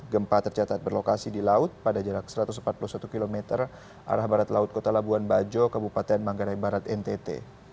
gempa tercatat berlokasi di laut pada jarak satu ratus empat puluh satu km arah barat laut kota labuan bajo kabupaten manggarai barat ntt